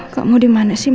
gak boleh sedih lagi